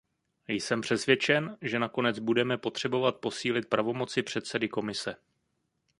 Jsem přesvědčen, že nakonec budeme potřebovat posílit pravomoci předsedy Komise.